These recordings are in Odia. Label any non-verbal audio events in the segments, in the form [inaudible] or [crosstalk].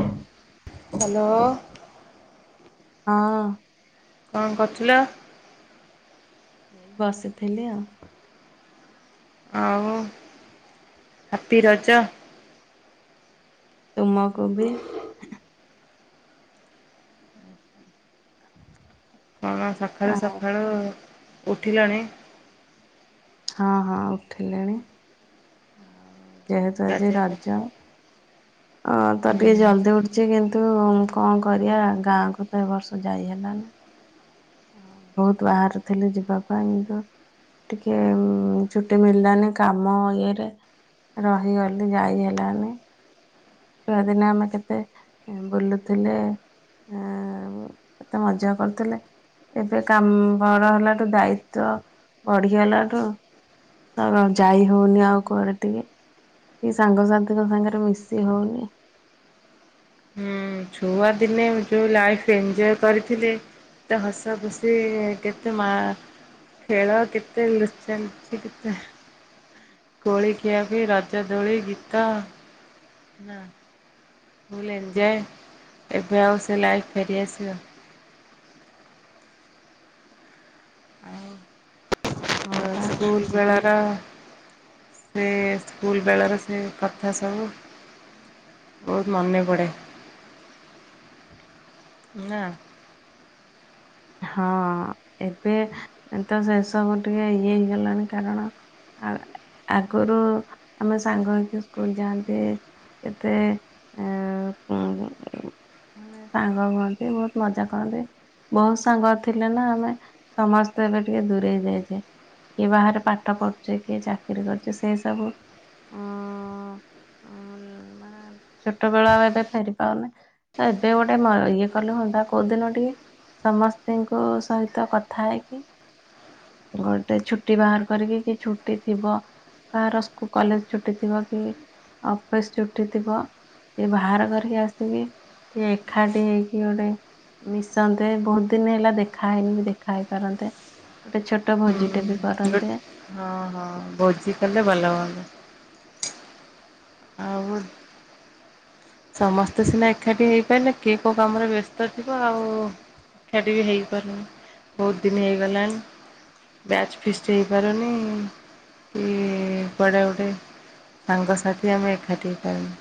ହ ହାଲୋ। ହଁ। କଣ କରଥୁଲ। ଏଇ ବସିଥିଲି ଆଉ। ଆଉ ହାପି ରଜ। ତୁମକୁ ବିି। କଣ ସଖାଳୁ ଆଉ ସଖାଳୁ। ଉଠିିଲଣି। ହଁ ହଁ ଉଠିଲିଣି। ଆଉ। ଯେହେତୁ ଆଜି ଗାଧେଇ ରଜ। ଅଁ ତ ହୁଁ ଟିକେ ଜଲଦି ଉଠଚି କିନ୍ତୁ। କଣ କରିବା ଗାଁକୁ ତ ଏ ବର୍ଷ ଯାଇ ହେଲାନି। ଆଉ ବହୁତୁ ବାହାରୁ ଥିଲି ଯିବା ପାଇଁ କିନ୍ତୁ ଟିକେ ଉମ ଛୁଟି ମିଳିଲାନି କାମ ଇଏରେ ରହିଗଲି ଯାଇ ହେଲାନି। ଛୁଆ ଦିନେ ଆମେ କେତେ ଏ ବୁଲୁଥିଲେ ଆମ କେତେ ମଜା କରୁଥିଲେ ଏବେ କାମ ବଡ ହେଲାଠୁ ଦାୟିତ୍ଵ ବଢିଗଲାଠୁ ତ କ ଯାଇ ହଉନି ଆଉ କୁଆଡେ ଟିକେ। କି ସାଙ୍ଗସାଥିଙ୍କ ସାଙ୍ଗରେ ମିଶି ହଉନି। ହୁଁ ଛୁଆ ଦିନେ ମୁ ଯୋଉ ଲାଇଫ ଏନଜୟ କରିଥିଲି କେତେ ହସ ଖୁସି କେତେ ମା ଖେଳ କେତେ ଲୁଚା ଲୁଚି କେତେ କୋଳି ଖିଆ ଖିଇ ରଜ ଦୋଳି ଗୀତ ନା। ଫୁଲ ଏଞଜୟ ଏବେ ଆଉ ସେ ଲାଇଫ ଫେରିଆଶିବ। ଆଉ ହଁ ପା। ସ୍କୁଲ ବେଳାର ସେ ସ୍କୁଲ ବେଳାର ସେ କଥା ସବୁ ବହୁତ ମନେ ପଡ଼େ ନା। ହଁ ଏବେ ତ ସେସବୁ ଟିକେ ଇଏ ହେଇଗଲାଣି କାରଣ ଆଗରୁ ଆମେ ସାଙ୍ଗ ହେଇକି ସ୍କୁଲ ଯାଆନ୍ତି କେତେ ମାନେ ସାଙ୍ଗ ହୁଅନ୍ତି ବହୁତ ମଜା କରନ୍ତି ବହୁତ। ସାଙ୍ଗ ଥିଲେ ନା ଆମେ ସମସ୍ତେ ଏବେ ଟିକେ ଦୂରେଇ ଯାଇଛେ କିଏ ବାହାରେ ପାଠ ପଢୁଚି କିଏ ଚାକିରି କରୁଚି ସେଇ ସବୁ ଉ ମାନେ ଛୋଟ ବଳ ଆଉ ଏବେ ଫେରି ପାଉନେ ତ ଏବେ ଗୋଟେ ଇଏ କଲେ ହୁଅନ୍ତା କୋଉ ଦିନ ଟିକେ ସମସ୍ତେ। ତୀଙ୍କ ସହିତ କଥା ହେଇକି। ଗୋଟେ ଛୁଟି ବାହାର କରିକି କି ଛୁଟି ଥିବ କାହାର ସ୍କୁ କଲେଜ ଛୁଟି ଥିବ କି ଅଫିସ ଛୁଟି ଥିବ ଟିକେ ବାହାର କରିକି ଆସିକି ଟିକେ ଏକାଠି ହେଇକି ଟିକେ ମିଶନ୍ତେ ବହୁତ ଦିନ ହେଲା ଦେଖା ହେଇନି ବି ଦେଖା ହେଇପାରନ୍ତେ। ହୁଁ ହଁ ହଁ ଭୋଜି କଲେ ଭଲ ହୁଅନ୍ତା। ଆଉ ସମସ୍ତେ ସିନା ଏକାଠି ହେଇପାରଲେ କିଏ କେଉଁ କାମରେ ବ୍ୟସ୍ତ ଥିବ ଆଉ ଏକାଠି ବି ହେଇପାରୁନି ବହୁତ ଦିନ ହେଇଗଲାଣି ବ୍ୟାଚ୍ ଫିଷ୍ଟ ହେଇପାରୁନି କି କୁଆଡ଼େ ଗୁଡ଼େ ସାଙ୍ଗସାଥି ଆମେ ଏକାଠି ହେଇପାରୁନୁ।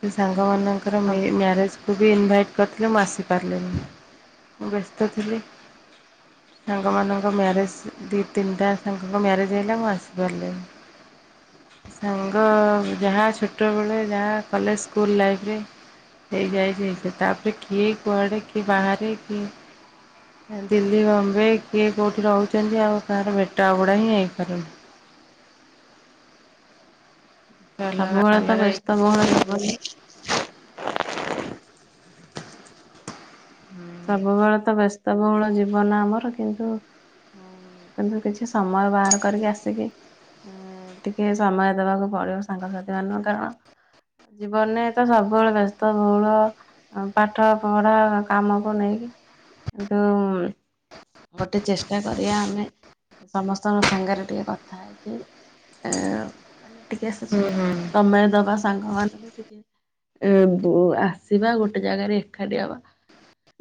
ବଝ [unintelligible] ଯୋଉ ମାନଙ୍କର ମି ମ୍ୟାରେଜ୍। କୁବି ଇନଭାଇଟ୍ କରିଥିଲେ ମୁଁ ଆସିପାରିଲିନି ମୁଁ ବ୍ୟସ୍ତ ଥିଲି ସାଙ୍ଗମାନଙ୍କ ମ୍ୟାରେଜ ଦି ତିନିଟା ସାଙ୍ଗଙ୍କ ମ୍ୟାରେଜ ହେଲା ମୁଁ ଆସିପାରିଲିନି ସାଙ୍ଗ ଯାହା ଛୋ ଛୋଟବେଳେ ଯାହା କଲେଜ ସ୍କୁଲ ଲାଇଫରେ ହେଇଯାଇଛି ତାପରେ କିଏ କୁଆଡ଼େ କିଏ ବାହାରେ କିଏ ଦିଲ୍ଲୀ ବମ୍ବେ କିଏ କଉଠି ରହୁଛନ୍ତି ଆଉ କାହାର ଭେଟ ଅଗୁଡ଼ା ହିଁ ହେଇପାରୁନି। ଅଲଗା ସବୁବେଳେ ତ ଅଲଗା ହେଇକି ବ୍ୟସ୍ତ ବହୁଳ ଜୀବନ। ସବୁବେଳେ ତ ବ୍ୟସ୍ତ ବହୁଳ ଜୀବନ ଆମର କିନ୍ତୁ କିନ୍ତୁ କିଛି ସମୟ ବାହାର କରିକି ଆସିକି ଟିକେ ସମୟ ଦବାକୁ ପଡିବ ସାଙ୍ଗସାଥି ମାନଙ୍କୁ କାରଣ ଜୀବନରେ ତ ସବୁବେଳେ ବ୍ୟସ୍ତ ବହୁଳ ପାଠ ପଢା କାମ। ନେଇକି କିନ୍ତୁ ଗୋଟେ ଚେଷ୍ଟା କରିବା ଆମେ ସମସ୍ତଙ୍କ ସାଙ୍ଗରେ ଟିକେ କଥା ହେଇକି ଏ। ମାନେ ଟିକେ ହୁଁ ହୁଁ ସମୟ ଦବା। ସାଙ୍ଗ ମାନଙ୍କୁ ଟିକେ ଏ ବୁ ଆସିବା ଗୋଟେ ଜାଗାରେ ଏକାଠି ହବା।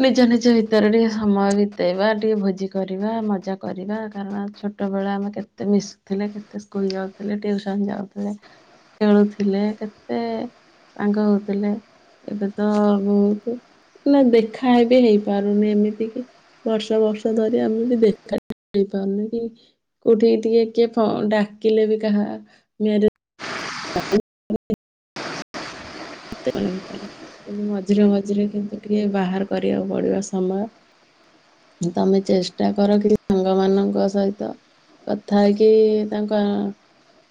ନିଜ ନିଜ ଭିତରେ ଟିକେ ସମୟ ବିତେଇବା ଟିକେ ଭୋଜି କରିବା ମଜା କରିବା କାରଣ ଛୋଟ ବେଳେ ଆମେ କେତେ ମିଶୁଥିଲେ କେତେ ସ୍କୁଲ ଯାଉଥିଲେ ଟିଉସନ ଯାଉଥିଲେ ଖେଳୁଥିଲେ କେତେ ସାଙ୍ଗ ହଉଥିଲେ ଏବେ ତ ଏମତି ମାନେ ଦେ ଖା ବି ହେଇପାରୁନି ଏମିତି କି ବର୍ଷ ବର୍ଷ ଧରି ଆମେ ବି ଦେଖା ବି ହେଇପାରୁନୁ କି କୋଉଠିକି ଟିକେ କିଏ ଡାକିଲେ ବି କାହା ମ୍ୟା [inaudible] ମନ ଭିତରେ କିନ୍ତୁ ମଝିରେ ମଝିରେ କିନ୍ତୁ ଟିକେ ବାହାର କରିବାକୁ ପଡିବ ସମୟ ତମେ ଚେଷ୍ଟା କର କି ସାଙ୍ଗ ମାନଙ୍କ ସହିତ କଥା ହେଇକି ତାଙ୍କ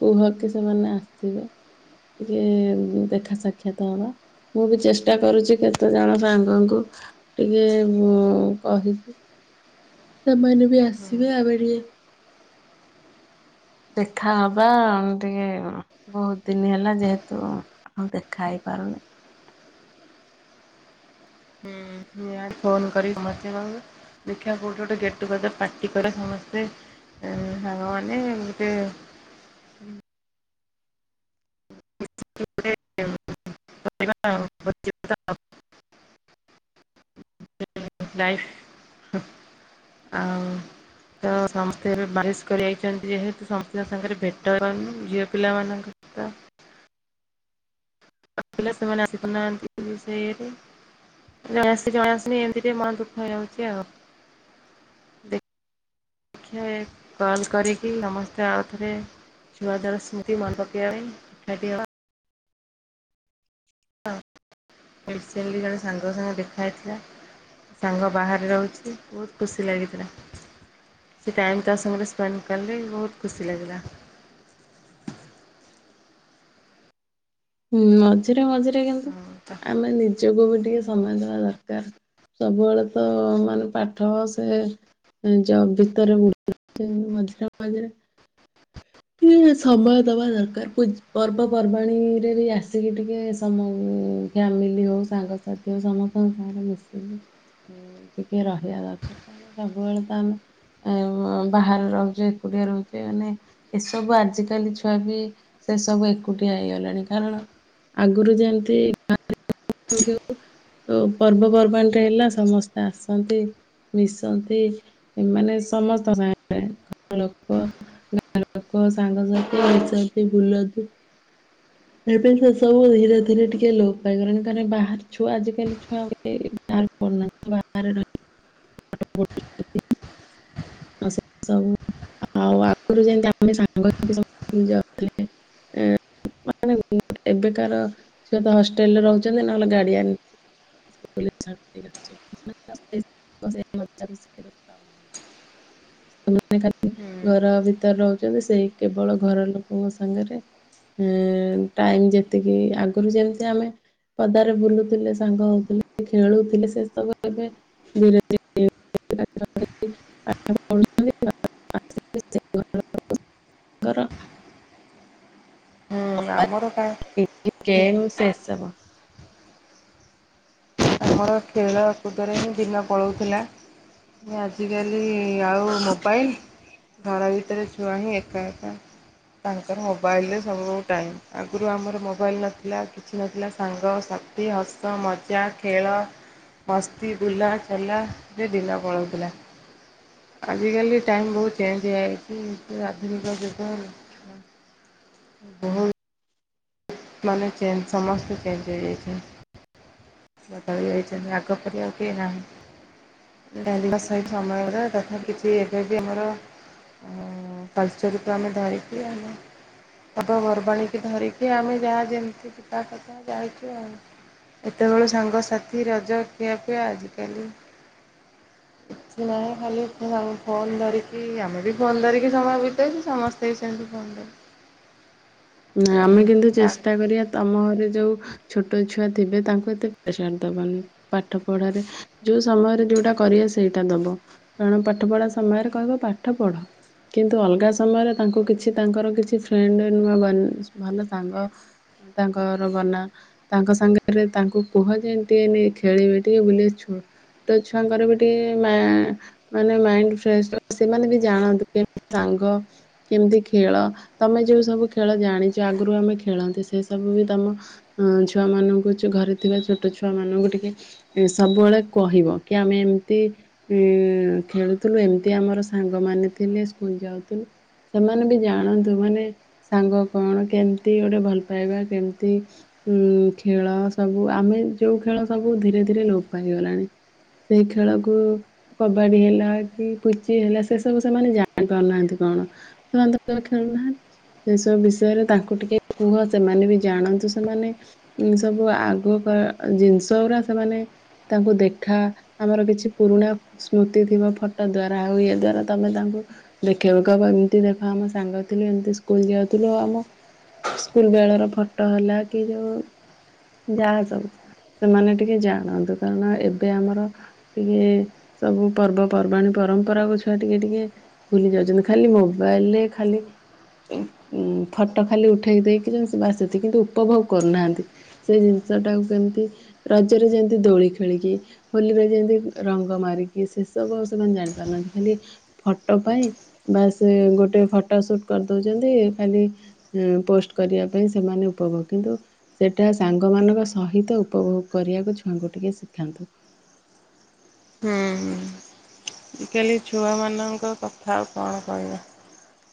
କୁହ କି ସେମାନେ ଆସିବେ ଟିକେ ଦେଖା ସାକ୍ଷ ଖ୍ୟାତ ହବା ମୁଁ ବି ଚେଷ୍ଟା କରୁଛି କେତେ ଜଣ ସାଙ୍ଗଙ୍କୁ ଟିକେ ମୁ କହିବି। ସେମାନେ ବି ଆସିବେ ଆମେଟିକେ। ଦେଖା ହବା ଟିକେ ବହୁତ ଦିନ ହେଲା ଯେହେତୁ ଆଉ ଦେଖା ହେଇ ପାରୁନେ। ହୁଁ ୟା ଫୋନ୍ କରିିକି ସମସ୍ତଙ୍କୁ ଦେଖିବା କୋଉଠି ଗୋଟେ ଗେଟ୍ ଟୁଗେଦର ପାର୍ଟି କରିବା ସମସ୍ତେ ସାଙ୍ଗମାନେ ଏମତି। ଗୋଟେ କରିବା ଆଉ ଭୋଜି ଭାତ ଆଉ। ଲାଇଫ ଆଉ ତ ସମସ୍ତେ ଏବେ ମ୍ୟାରେଜ କରି ଜାଇଛନ୍ତି ଯେହେତୁ ସମସ୍ତଙ୍କ ସାଙ୍ଗରେ ଭେଟ ହେଇପାରୁନୁ ଝିଅ ପିଲାମାନଙ୍କ ସହିତ। ପିଲା ସେମାନେ ଆସିପାରୁନାହାନ୍ତି ସେ ଇଏ ରେ ଜଣ ଆସୁଚି ଜଣେ ଆସୁନି ଏମିତିରେ ଟିକେ ମନ ଦୁଃଖ ହେଇଯାଉଛି ଆଉ ଦେଖିବା କଲ କରିକି ସମସ୍ତେ ଆଉ ଥରେ ଛୁଆ ବେଳ ସ୍ମୃତି ମନେ ପକେଇବା ପାଇଁ ଏକାଠି ହବା। ରିସେଣ୍ଟଲି ଜଣେ ସାଙ୍ଗ ସାଙ୍ଗ ରେ ଦେଖା ହେଇଥିଲା ସାଙ୍ଗ ବାହାରେ ରହୁଛି ବହୁତ ଖୁସି ଲାଗିଥିଲା କିଛି ଟାଇମ ତା ସାଙ୍ଗରେ ସ୍ପେଣ୍ଡ କଲି ବହୁତ ଖୁସି ଲାଗିଲା। ହୁଁ ମଝିରେ ମଝିରେ। କିନ୍ତୁ ହଁ ତ ଆମେ ନିଜକୁ ବି ଟିକେ ସ ସମୟ ଦେବା ଦରକାର ସବୁବେଳେ ତ ମାନେ ପାଠ ସେ ଜବ ଭିତରେ ବୁଡିକି ରହୁଚେ ମଝିରେ ମଝିରେ। ଟିକେ ସମୟ ଦବା ଦରକାର ପର୍ବପର୍ବାଣୀରେ ବି ଆସିକି ଟିକେ ସମ ଫ୍ୟାମିଲି ହଉ ସାଙ୍ଗସାଥି ହଉ ସମସ୍ତଙ୍କ ସାଙ୍ଗରେ ମିଶିକି ଟିକେ ରହିବା ଦରକାର କାରଣ ସବୁବେଳେ ତ ଆମେ ବାହାରେ ରହୁଛେ ଏକୁଟିଆ ରହୁଛେ ମାନେ। ଏସବୁ ଆଜିକାଲି ଛୁଆ ବି ସେସବୁ ଏକୁଟିଆ ହେଇଗଲାଣି କାରଣ ଆଗରୁ ଯେମିତିଁଠ ପର୍ବପର୍ବାଣିୀଟ ହେଲା ସମସ୍ତେ ଆସନ୍ତି ମିଶନ୍ତି ଏମାନେ ସମସ୍ତଙ୍କ ସାଙ୍ଗରେ ର ଲୋକ। ଲୋକ ସାଙ୍ଗସାଥି ବାସନ୍ତୀ ବୁଲନ୍ତି। ଏବେ ସେ ସବୁ ଧୀରେ ଧୀରେ ଟିକେ ଲୋପ ପାଇଗଲାଣି କାରଣ ବାହାର ଛୁଆ ଆଜିକାଲି ଛୁଆ ବା ପୁନାହାନ୍ତି ବାହର ଆ ସେ ସବୁ ଆଉ ଆଗରୁ ଯେମତି ଆମେ ସାଙ୍ଗାଉ [unintelligible] ମାନେ ଏବେକାର ଛୁଆତ ହଷ୍ଟେଲରେ ରହୁଛନ୍ତି ନହେଲେ ଗାଡିଅନ ନେଇକି ସ୍କ୍ଲଲ ରେ ଛାଡି ଦେଇକି ଆସୁଛନ୍ତି ସେମାନେ ଆଉ [unintelligible] ସେମାନେ ଖାଲି ହୁଁ ଘର ଭିତରେ ରହୁ ସେଇ କେବଳ ଘର ଲୋକଙ୍କ ସାଙ୍ଗରେ। ଟାଇମ ଯେତିକି ଆଗରୁ ଯେମିତି ଆମେ ପଦାରେ ବୁଲୁଥିଲେ ସାଙ୍ଗ ହଉଥିଲେ ଖେଳୁଥିଲେ ସେ ସବୁ ଏବେ ଧୀରେ ଧୀରେ ରେ। [unintelligible] ହୁଁ ଆମର। କା ଏ କେ ସେଷବା ଆମର ଆଜିିକାଲି ଆଉ ମୋବାଇଲ ଘର ଭିତରେ ଛୁଆ ହିଁ ଏକା ଏକା ତାଙ୍କର ମୋବାଇଲରେ ସବୁୁ ଟାଇମ୍ ଆଗରୁ ଆମର ମୋବାଇଲ ନଥିଲା କିଛି ନଥିଲା ସାଙ୍ଗସାଥି ହସ ମଜା ଖେଳ ମସ୍ତି ବୁଲା ଚଲା ଯେ ଦିନ ପଳାଉଥିଲା ଆଜିକାଲି ଟାଇମ୍ ବହୁତ ଚେଞ୍ଜ ହେଇଯାଇଛି ଆଧୁନିକ ଯୁଗ ବହୁତ ମାନେ ଚେଞ୍ଜ ସମସ୍ତେ ଚେଞ୍ଜ ହେଇଯାଇଛନ୍ତି ବଦଳି ଯାଇଛନ୍ତି ଆଗପରି ଆଉ କେହି ନାହାନ୍ତି ଡାବା ସହିତ ସମୟରେ ତଥା କିିଛି ଏବେ ବି ଆମର କଲଚରକୁ ଆମେ ଧରିକି ଆମ ପବାପର୍ବାଣୀକୁ ଧରିକି ଆମେ ଯାହା ଯେମିତି ବିବା କଥା ଯାଇଛୁ ଆ କେତେବେଳୁ ସାଙ୍ଗସାଥି ରଜ ଖିଆପିଆ ଆଜିକାଲି କିଛି ନାହିଁ ଖାଲି ଫୋନ୍ ଧରିକି ଆମେ ବି ଫୋନ୍ ଧରିକି ସମୟ ବିତଉଛୁ ସମସ୍ତେ ବି ସେମିତି ଫୋନ ଧରି ନା ଆମେ କିନ୍ତୁ ଚେଷ୍ଟା କରିବା ତମ ଘରେ ଯୋଉ ଛୋଟ ଛୁଆ ଥିବେ ତାଙ୍କୁ ଏତେ ପ୍ରେସର ଦବନି ପାଠ ପଢାରେ ଯୋଉ ସମୟରେ ଯୋଉଟା କରିବେ ସେଇଟା ଦବ କାରଣ ପାଠ ପଢା ସମୟରେ କହିବ ପାଠ ପଢ କିନ୍ତୁ ଅଲଗା ସମୟରେ ତାଙ୍କୁ କିଛି ତାଙ୍କର କିଛି ଫ୍ରେଣ୍ଡ ନୂଆ ଭଲ ସାଙ୍ଗ ତାଙ୍କର ବନା ତାଙ୍କ ସାଙ୍ଗରେ ତାଙ୍କୁ କୁହ ଯେ ଟିକେ ଖେଳିବେ ଟିକେ ବୁଲଛୁ ତ ଛୁଆଙ୍କର ବି ଟିକେ ମାନେ ମାଇ ସେମାନେ ବି ଜାଣନ୍ତି କେତି ସାଙ୍ଗ କେମତି ଖେଳ ତମେ ଯୋଉ ସବୁ ଖେଳ ଜାଣିଛୁ ଆଗରୁ ଆମେ ଖେଳନ୍ତି ସେ ସବୁ ବି ତମ ଛୁଆ ମାନଙ୍କୁ ଘରେ ଥିବା ଛୋଟ ଛୁଆ ମାନଙ୍କୁ ଟିକେ ସବୁବେଳେ କହିବ କି ଆମେ ଏମିତି ଖେଳୁଥିଲୁ ଏମିତି ଆମର ସାଙ୍ଗମାନୋନ ଥିଲେ ସ୍କୁଲ ଯାଉଥିଲୁ ସେମାନେ ବି ଜାଣନ୍ତୁ ମାନେ ସାଙ୍ଗ କଣ କେମତି ଗୋଟେ ଭଲ ପାଇବା କେମିତି ଉଁ ଖେଳ ସବୁ ଆମେ ଯୋଉ ଖେଳ ସବୁ ଧୀରେ ଧୀରେ ଲୋପ ପାଇଗଲାଣି ସେଇ ଖେଳକୁ କବାଡି ହେଲା କି ପୁଚି ହେଲା ସେ ସବୁ ସେମାନେ ଜାଣି ପାରୁନାହାନ୍ତି କଣ ସେମାନେ ତ ଖେଳୁନାହାନ୍ତି ସେ ସବୁ ବିଷୟ ବିରେ ତାଙ୍କୁ ଟିକେ କୁହ ସେମାନେ ବି ଜାଣନ୍ତୁ ସେମାନେ ସବୁ ଆଗ ଜିନିଷ ପା ସେମାନେ ତାଙ୍କୁ ଦେଖା ଆମର କିଛି ପୁରୁଣା ସ୍ମୃତି ଥିବ ଫଟୋ ଦ୍ଵାରା ଆଉ ୟ ଦ୍ଵାରା ତମେ ତାଙ୍କୁ ଦେଖେଇକୁ ହବ ଏମିତି ଦେଖ ଆମ ସାଙ୍ଗ ଥିଲୁ ଏମିତି ସ୍କୁଲ ଯାଉଥିଲୁ ଆମ ସ୍କୁଲ ବେଳର ଫଟୋ ହେଲା କି ଯୋଉ ଯାହା ସବୁ ସେମାନେ ଟିକେ ଜାଣନ୍ତୁ କାରଣ ଏବେ ଆମର ଟିକେ ସବୁ ପର୍ବପର୍ବାଣିୀ ପରମ୍ପରାକୁ ଛୁଆ ଟିକେ ଟିକେ ଭୁଲି ଯାଉଛନ୍ତି ଖାଲି ମୋବାଇଲରେ ଖାଲି ଉ ଫଟୋ ଖାଲି ଉଠେଇକି ଦେଇକି ଯେମିତି ବାସତି କିନ୍ତୁ ଉପଭୋଗ କରୁନାହାନ୍ତି ସେ ଜିନିଷଟାକୁ କେମିତି ରଜରେ ଯେମିତି ଦୋଳି ଖେଳିକି ହୋଲିରେ ଯେମିତି ରଙ୍ଗ ମାରିକି ସେସବୁ ଆ ସେମାନେ ଜାଣିପାରୁନାହାନ୍ତି ଖାଲି ଫଟୋ ପାଇଁ ବା ସେ ଗୋଟେ ଫଟୋ ସୁଟ୍ କରିଦଉଛନ୍ତି ଖାଲି ପୋଷ୍ଟ କରିବା ପାଇଁ ସେମାନେ ଉପଭୋଗ କିନ୍ତୁ ସେଟା ସାଙ୍ଗ ମାନଙ୍କ ସହିତ ଉପଭୋଗ କରିବାକୁ ଛୁଆଙ୍କୁ ଟିକେ ଶିଖାନ୍ତୁ ହୁଁ। ଆଜିକାଲି ଛୁଆମାନଙ୍କ କଥା ଆଉ କଣ କହିବା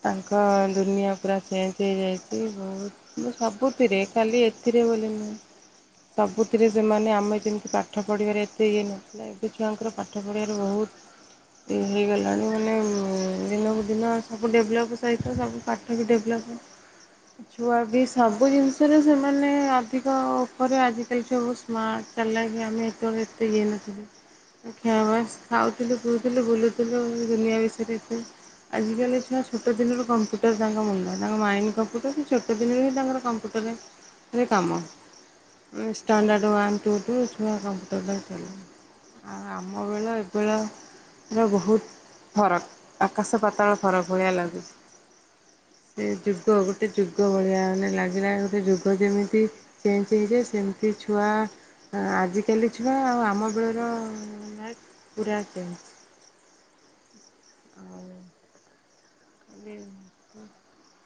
ତାଙ୍କ ଦୁନିଆ ପୁରା ଚେଞ୍ଜ ହେଇଯାଇଛି ବହୁତ ସବୁଥିରେ ଖାଲି ଏଥିରେ ବୋଲି ନୁହେଁ ସବୁଥିରେ ସେମାନେ ଆମେ ଯେମିତି ପାଠ ପଢ଼ିବାରେ ଏତେ ଇଏ ନୁହଁ ଲ ସେ ଛୁଆଙ୍କର ପାଠ ପଢ଼ିବାରେ ବହୁତ ଇଏ ହେଇଗଲାଣି ମାନେ ଦିନକୁ ଦିନ ସବୁ ଡେଭଲପ୍ ସହିତ ସବୁ ପାଠ ବି ଡେଭଲପ୍ ଛୁଆ ବି ସବୁ ଜିନିଷରେ ସେମାନେ ଅଧିକ ଉପରେ ଆଜିକାଲି ସବୁ ସ୍ମାର୍ଟ ଚାଲାକ ଆମେ ଏତେବେଳେ ଏତେ ଇଏ ନଥିଲୁ ଖ ଖାଉଥିଲୁ କୁହୁଥିଲୁ ବୁଲୁଥିଲୁ ଦୁନିଆ ବିଷୟରେ ଆଜିକାଲି ଛୁଆ ଛୋଟ ଦିନରୁ କମ୍ପୁଟର ତାଙ୍କ ମୁଣ୍ଡ ତାଙ୍କ ମାଇଣ୍ଡ କମ୍ପ୍ୟୁଟର ଛୋଟ ଦିନରେ ହିଁ ତାଙ୍କର କମ୍ପ୍ୟୁଟରରେ କାମ ଷ୍ଟାଣ୍ଡାର୍ଡ଼ ୱାନ୍ ଟୁ ଟୁ ଛୁଆ କମ୍ପୁଟରଟା ଚଲେ ଆଉ ଆମ ବେଳ ଏବେଳର ବହୁତ ଫରକ ଆକାଶ ପତାଳ ଫରକ ଭଳିଆ ଲାଗୁଛି ସେ ଯୁଗ ଗୋଟେ ଯୁଗ ଭଳିଆ ମାନେ ଲାଗିଲା ଗୋଟେ ଯୁଗ ଯେମିତି ଚେଞ୍ଜ ହେଇଯାଏ ସେମିତି ଛୁଆ ଆଜିକାଲି ଛୁଆ ଆଉ ଆମ ବେଳ ମ ପୁରା କେ ଆଉ ହ ହ